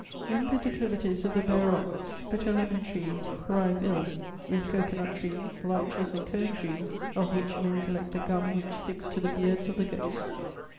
In the declivities of the bare rocks, bitter lemon trees thrive ill, with cocoanut trees, larches and cone trees of which men collect the gum which sticks to the beards of the goats.